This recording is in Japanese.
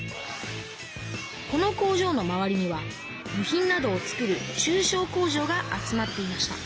この工場の周りには部品などを作る中小工場が集まっていました